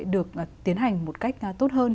được tiến hành một cách tốt hơn